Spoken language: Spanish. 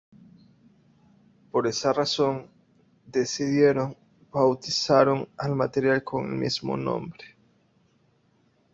Por esa razón, decidieron bautizaron al material con el mismo nombre.